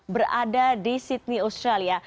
berada di sydney australia